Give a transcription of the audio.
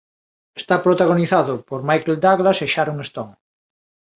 Está protagonizado por Michael Douglas e Sharon Stone.